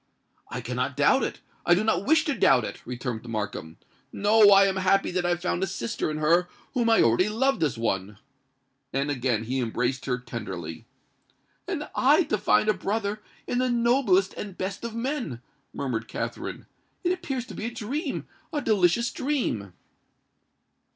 "I cannot doubt it—I do not wish to doubt it," returned Markham. "No—I am happy that I have found a sister in her whom I already loved as one!" And again he embraced her tenderly. "And I to find a brother in the noblest and best of men!" murmured Katherine: "it appears to be a dream—a delicious dream!"